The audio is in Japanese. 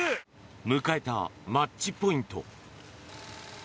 迎えたマッチポイント。